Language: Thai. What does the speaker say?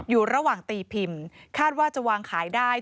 อยู่ระหว่างตีพิมพ์คาดว่าจะวางขายได้